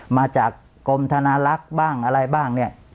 มาจากกรมธนาลักษณ์บ้างอะไรบ้างเนี่ย